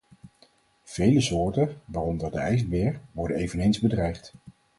Vele soorten, waaronder de ijsbeer, worden eveneens bedreigd.